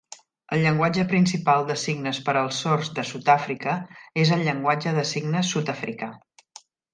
El llenguatge principal de signes per als sords de Sud-àfrica és el llenguatge de signes sud-africà.